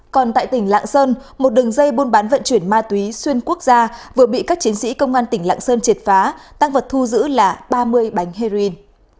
còn tại tỉnh lạng sơn một đường dây buôn bán vận chuyển ma túy xuyên quốc gia vừa bị các chiến sĩ công an tỉnh lạng sơn triệt phá tăng vật thu giữ là ba mươi bánh heroin